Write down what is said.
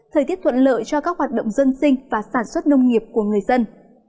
thời tiết thuận lợi cho các hoạt động dân sinh và sản xuất nông nghiệp của người dân